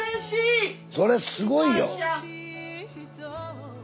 それすごいよ。